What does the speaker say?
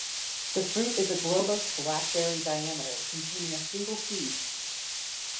The fruit is a globose black berry diameter, containing a single seed.